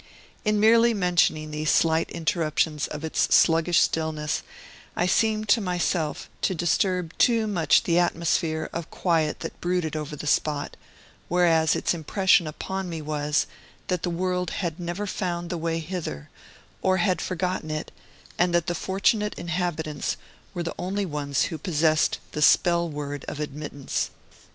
In merely mentioning these slight interruptions of its sluggish stillness, I seem to myself to disturb too much the atmosphere of quiet that brooded over the spot; whereas its impression upon me was, that the world had never found the way hither, or had forgotten it, and that the fortunate inhabitants were the only ones who possessed the spell word of admittance.